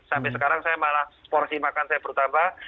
sampai sekarang saya malah porsi makan saya perlu tambah